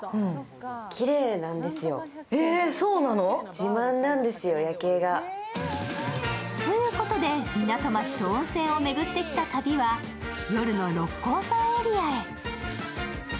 自慢なんですよ、夜景が。ということで、港町と温泉を巡ってきた旅は夜の六甲山エリアへ。